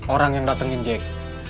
orang yang datengin jack